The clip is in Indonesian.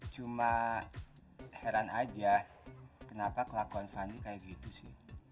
cuma heran aja kenapa kelakuan van dikaya gitu sih